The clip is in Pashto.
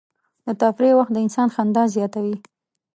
د تفریح وخت د انسان خندا زیاتوي.